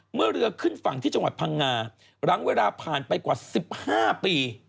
เมื่อเรือขึ้นฝั่งที่จังหวัดพังงาหลังเวลาผ่านไปกว่า๑๕ปี